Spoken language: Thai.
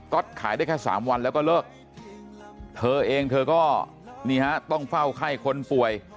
ก๊อตขายได้แค่๓วันแล้วก็เลิกเธอเองเธอก็ต้องเฝ้าไพทย์คนป่วย